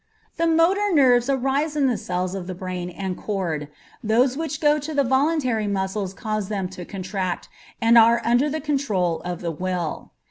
The Motor Nerves arise in the cells of the brain and cord. Those which go to the voluntary muscles cause them to contract, and are under the control of the will.